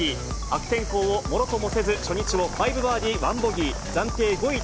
悪天候をものともせず、初日を５バーディー１ボギー、暫定５位